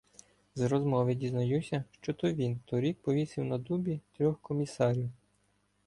З розмови дізнаюся, що то він торік повісив на дубі трьох комісарів.